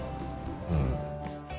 うん。